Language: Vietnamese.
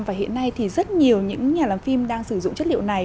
và hiện nay thì rất nhiều những nhà làm phim đang sử dụng chất liệu này